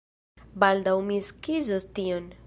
Baldaŭ mi skizos tion!